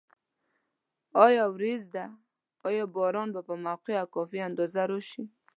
آیا وریځ ده؟ آیا باران به په موقع او کافي اندازه راشي؟